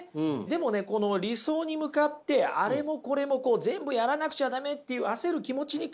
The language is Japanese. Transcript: でもねこの理想に向かってあれもこれも全部やらなくちゃ駄目っていう焦る気持ちに関してはね